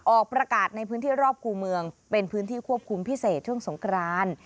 ออกประกาศในพื้นที่รอบคู่เมืองเป็นพื้นที่ควบคุมพิเศษช่วงสงคราน